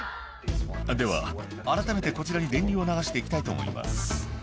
「ではあらためてこちらに電流を流して行きたいと思います」